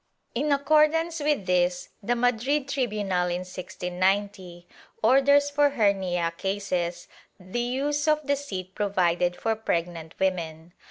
^ In accordance with this the Madrid tribunal in 1690, orders for hernia cases the use of the seat provided for pregnant women.